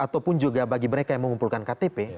dan juga bagi mereka yang mengumpulkan ktp